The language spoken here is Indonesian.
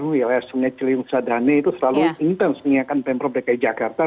wilayah sungai ciliwung sadane itu selalu intens menyiapkan pemprov dki jakarta